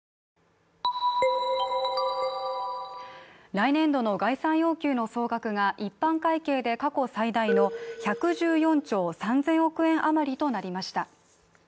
来年度の概算要求の総額が一般会計で過去最大の１１４兆３０００億円余りとなりました